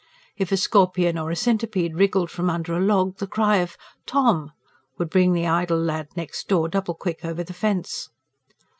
If a scorpion or a centipede wriggled from under a log, the cry of "Tom!" would bring the idle lad next door double quick over the fence.